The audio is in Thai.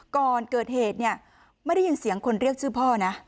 ก่อนเกิดเหตุเนี่ยไม่ได้ยินเสียงคนเรียกชื่อพ่อนะ